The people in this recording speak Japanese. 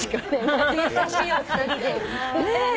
初々しいお二人で。